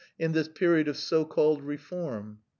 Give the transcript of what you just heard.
in this period of so called reform."